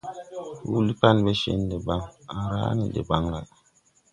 Huuli pan ɓɛ cèn debaŋ, à ràa ne debaŋ lay.